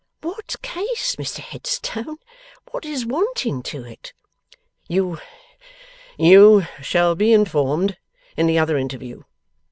'What case, Mr Headstone? What is wanting to it?' 'You you shall be informed in the other interview.